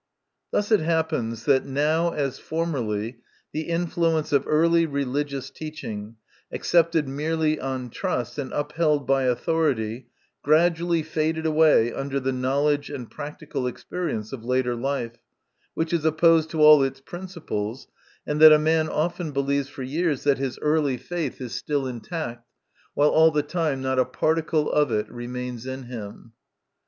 Thus it happens that now, as formerly, the influence of early religious teaching, accepted merely on trust and upheld by authority, gradu ally faded away under the knowledge and practical experience of later life, which is opposed to all its principles, and that a man often believes for years that his early faith is MY CONFESSION. O still intact, while all the time not a particle of it remains in him.